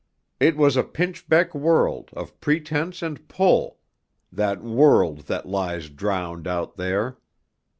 It was a pinchbeck world, of pretence and pull, that world that lies drowned out there.